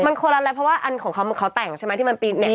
มันคนละอะไรเพราะว่าอันของเขาเขาแต่งใช่ไหมที่มันปีนเนี่ย